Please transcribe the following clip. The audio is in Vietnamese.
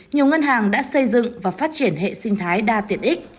nhiều ngân hàng đã xây dựng và phát triển hệ sinh thái đa tiện ích